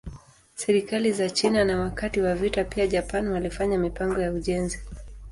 Serikali za China na wakati wa vita pia Japan walifanya mipango ya ujenzi.